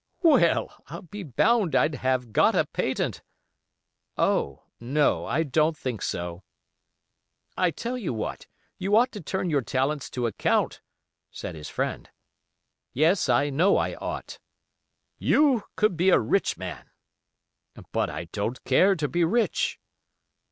"Well, I'll be bound I'd have got a patent." "Oh! no, I don't think so." "I tell you what, you ought to turn your talents to account," said his friend. "Yes, I know I ought." "You could be a rich man." "But I don't care to be rich."